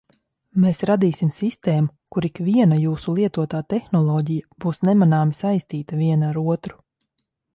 Mēs radīsim sistēmu, kur ikviena jūsu lietotā tehnoloģija būs nemanāmi saistīta viena ar otru.